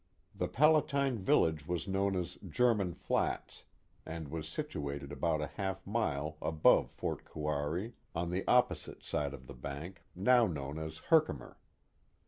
The Palatine village was known as German Flats,'* and was situated about a half mile above Fort Kouari on the opposite 43^ The Mohawk Valley ^^1 bank, now known as Herkimer.